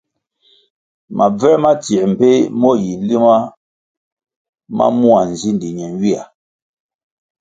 Mabvē ma tsiē mbpeh mo yi nlima ma mua nzindi nenywihya.